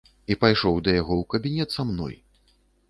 І пайшоў да яго ў кабінет са мной.